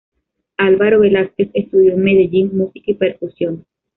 Álvaro Velásquez estudió en Medellín música y percusión.